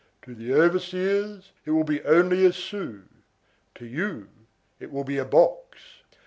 To the overseers it will be only a sou; to you it will be a box.